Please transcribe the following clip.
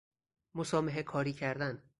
مسامحه کاری کردن